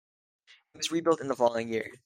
It was rebuilt in the following year.